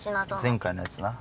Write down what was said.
前回のやつな。